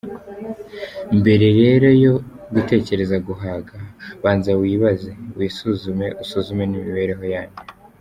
Mbere reroyo gutekereza guhaga, banza wibaze, wisuzume usuzume n’imibereho yanyu.